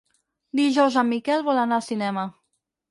Dijous en Miquel vol anar al cinema.